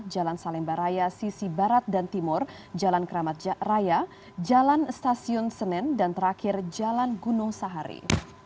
jalan salemba raya sisi barat dan timur jalan keramat raya jalan stasiun senen dan terakhir jalan gunung sahari